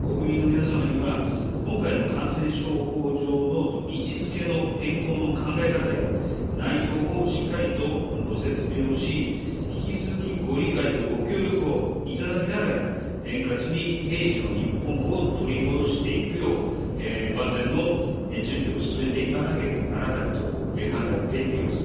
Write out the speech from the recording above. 国民の皆様には、今回の感染症法上の位置づけの変更の考え方や、内容をしっかりとご説明をし、引き続き、ご理解とご協力をいただきながら、円滑に平時の日本を取り戻していくよう、万全の準備を進めていかなければならないと、考えています。